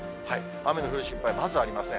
雨の降る心配、まずありません。